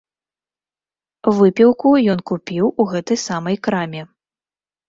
Выпіўку ён купіў у гэтай самай краме.